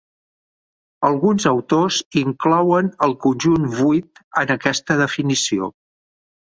Alguns autors inclouen el conjunt vuit en aquesta definició.